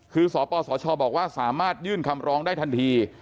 คือสปสชบอกว่าสามารถยื่นคำร้องได้ทันที